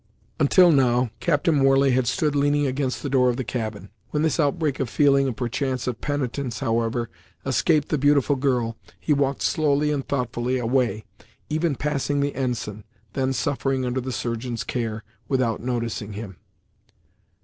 Until now, Captain Warley had stood leaning against the door of the cabin; when this outbreak of feeling, and perchance of penitence, however, escaped the beautiful girl, he walked slowly and thoughtfully away; even passing the ensign, then suffering under the surgeon's care, without noticing him.